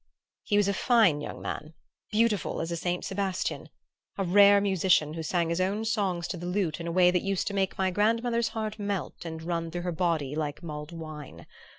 "He was a fine young man, beautiful as a Saint Sebastian, a rare musician, who sang his own songs to the lute in a way that used to make my grandmother's heart melt and run through her body like mulled wine.